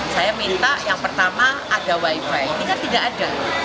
saya minta yang pertama ada wifi ini kan tidak ada